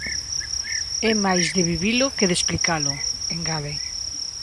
É máis de vivilo que de explicalo, engade.